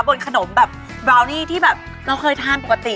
บนขนมแบบบราวนี่ที่แบบเราเคยทานปกติ